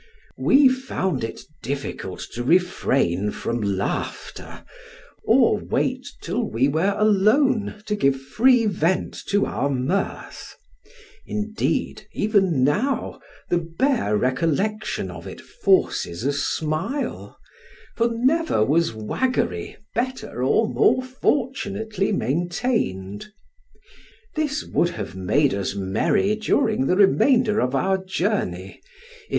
We found it difficult to refrain from laughter, or wait till we were alone to give free vent to our mirth: indeed, even now, the bare recollection of it forces a smile, for never was waggery better or more fortunately maintained. This would have made us merry during the remainder of our journey, if M.